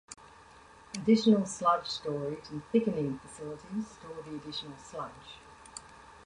Additional sludge storage and thickening facilities store the additional sludge.